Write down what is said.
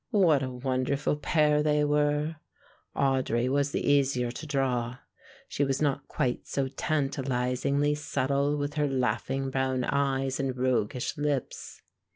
What a wonderful pair they were. Audry was the easier to draw. She was not quite so tantalisingly subtle with her laughing brown eyes and roguish lips.